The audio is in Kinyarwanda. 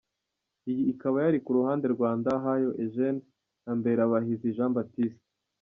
Iyi ikaba yari ku ruhande rwa Ndahayo Eugène na Mberabahizi Jean Baptiste…….